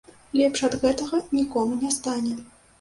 Лепш ад гэтага нікому не стане.